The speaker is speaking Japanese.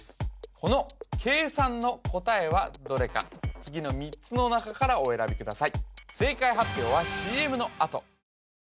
この計算の答えはどれか次の３つの中からお選びください